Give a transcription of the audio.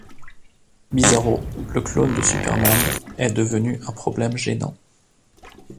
Bizarro, le clone de Superman, est devenu un problème gênant.